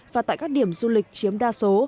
và tại các điểm du lịch chiếm đa số